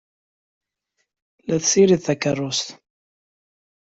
La tessirid takeṛṛust.